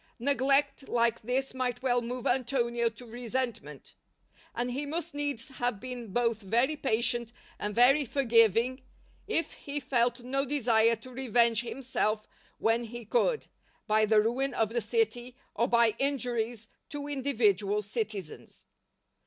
Neglect like this might well move Antonio to resentment; and he must needs have been both very patient and very forgiving if he felt no desire to revenge himself when he could, by the ruin of the city or by injuries to individual citizens.